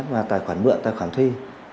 mà tài khoản mượn tài khoản thuê